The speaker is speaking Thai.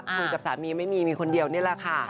คุณกับสามีไม่มีมีคนเดียวนี่แหละค่ะ